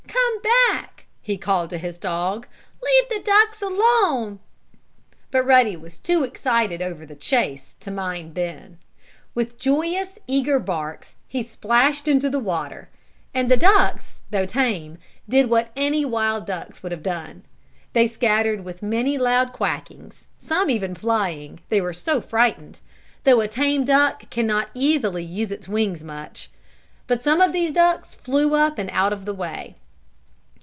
Come back!" he called to his dog. "Leave the ducks alone!" But Ruddy was too excited over the chase to mind just then. With joyous, eager barks he splashed into the water, and the ducks, though tame, did just what any wild ducks would have done. They scattered with many loud quackings, some even flying, they were so frightened; though a tame duck can not easily use its wings much. But some of these ducks flew up and out of the way.